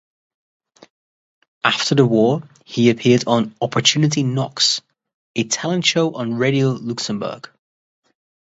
After the war, he appeared on "Opportunity Knocks", a talent show on Radio Luxembourg.